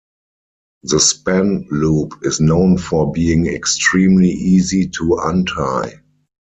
The span loop is known for being extremely easy to untie.